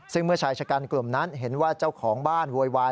ซึ่งเมื่อชายชะกันกลุ่มนั้นเห็นว่าเจ้าของบ้านโวยวาย